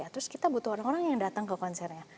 terus kita butuh orang orang yang datang ke konsernya